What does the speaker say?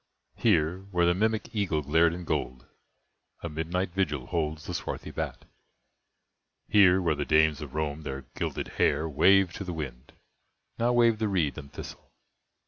Here, where the mimic eagle glared in gold, A midnight vigil holds the swarthy bat! Here, where the dames of Rome their gilded hair Waved to the wind, now wave the reed and thistle!